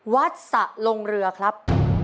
วัดสะลงเรือครับ